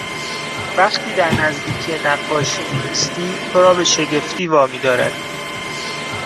وقتی در نزدیکی نقاشی میایستی تو را به شگفتی وا میدارد